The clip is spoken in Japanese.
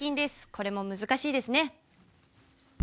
これも難しいですね。